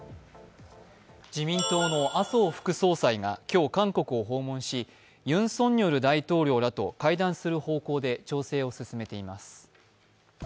自民党の麻生副総裁が今日、韓国を訪問しユン・ソンニョル大統領らと会談する方向で調整を進めています。